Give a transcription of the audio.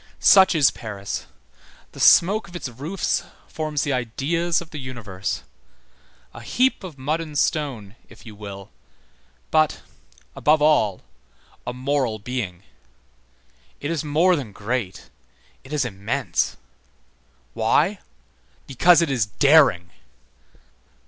Such is Paris. The smoke of its roofs forms the ideas of the universe. A heap of mud and stone, if you will, but, above all, a moral being. It is more than great, it is immense. Why? Because it is daring.